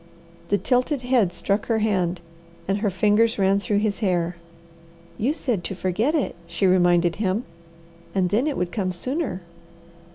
The tilted head struck her hand, and her fingers ran through his hair. "You said to forget it," she reminded him, "and then it would come sooner."